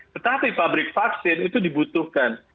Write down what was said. tetapi pabrik vaksin itu dibutuhkan